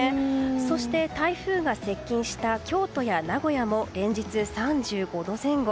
そして、台風が接近した京都や名古屋も連日３５度前後。